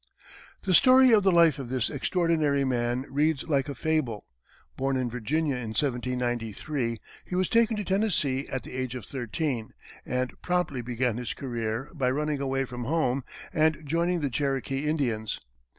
The story of the life of this extraordinary man reads like a fable. Born in Virginia in 1793, he was taken to Tennessee at the age of thirteen, and promptly began his career by running away from home and joining the Cherokee Indians.